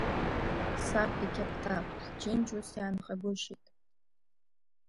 Саб иқьаԥҭа, ҳџьынџь ус иаанхагәышьеит…